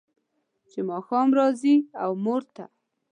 چې ماښام راځي و مور ته